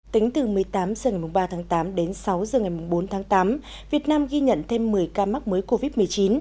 tính từ một mươi tám h ngày ba tháng tám đến sáu h ngày bốn tháng tám việt nam ghi nhận thêm một mươi ca mắc mới covid một mươi chín